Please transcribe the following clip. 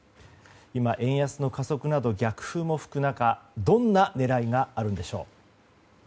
今、円安の加速など逆風も吹く中どんな狙いがあるんでしょう。